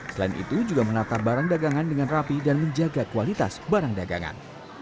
selain itu juga menata barang dagangan dengan rapi dan menjaga kualitas barang dagangan